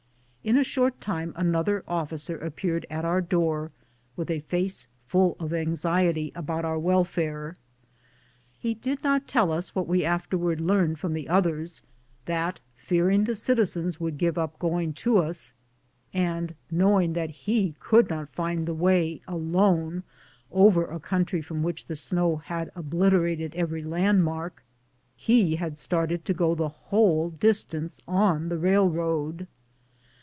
In a short time another officer appeared at our door with a face full of anxiety about our welfare. He did not tell us what we afterwards learned from othei's, that, fearing the citizens would give up going to us, and knowing that he could not find the way alone over a country from which the snow had obliterated every landmark, he had started to go the whole distance on the railroad.